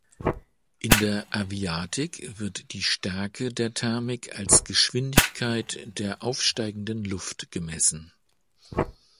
In der Aviatik wird die Stärke der Thermik als Geschwindigkeit der aufsteigenden Luft gemessen.